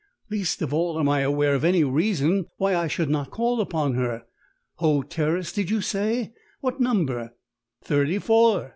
Least of all am I aware of any reason why I should not call upon her. Hoe Terrace, did you say? What number?" "Thirty four.